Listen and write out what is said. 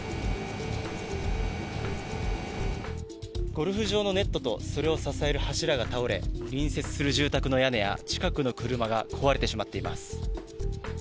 ゴルフ場のネットとそれを支える柱が倒れ隣接する住宅の屋根や近くの車が壊れてしまっています。